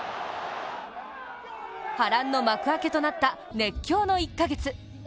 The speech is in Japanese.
波乱の幕開けとなった熱狂の１か月。